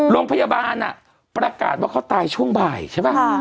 โรงพยาบาลประกาศว่าเขาตายช่วงบ่ายใช่ป่ะ